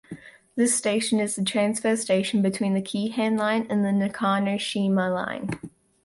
This station is the transfer station between the Keihan Line and the Nakanoshima Line.